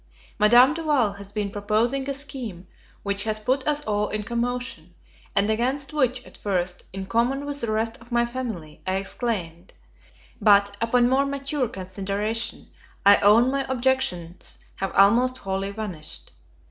Madame Duval has been proposing a scheme which has put us all in commotion, and against which, at first, in common with the rest of my family, I exclaimed: but, upon more mature consideration, I own my objections have almost wholly vanished.